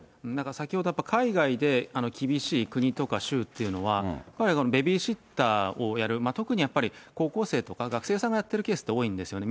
先ほど、海外で厳しい国とか州っていうのは、やっぱりベビーシッターをやる、特に高校生とか、学生さんがやってるケースって多いんですよね。